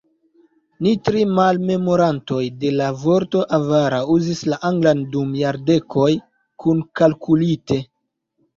Ni tri malmemorantoj de la vorto "avara" uzis la anglan dum jardekoj, kunkalkulite.